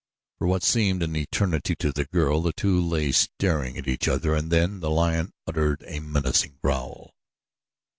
For what seemed an eternity to the girl the two lay staring at each other and then the lion uttered a menacing growl.